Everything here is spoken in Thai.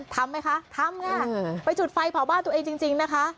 ทำไหมคะทำค่ะไปจุดไฟเผาบ้านตัวเองจริงนะคะ